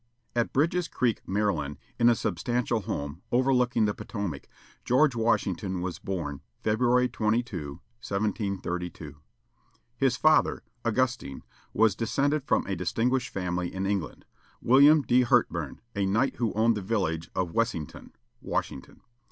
At Bridge's Creek, Maryland, in a substantial home, overlooking the Potomac, George Washington was born, February 22, 1732. His father, Augustine, was descended from a distinguished family in England William de Hertburn, a knight who owned the village of Wessyngton (Washington).